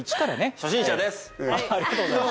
初心者です！